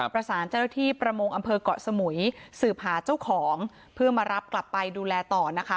ประสานเจ้าหน้าที่ประมงอำเภอกเกาะสมุยสืบหาเจ้าของเพื่อมารับกลับไปดูแลต่อนะคะ